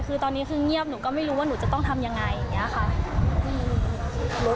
คือตอนนี้คือเงียบหนูก็ไม่รู้ว่าหนูจะต้องทำยังไงอย่างนี้ค่ะ